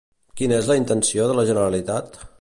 Quina és la intenció de la Generalitat?